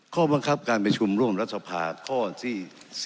ข้อบังคับการประชุมร่วมรัฐสภาข้อที่๔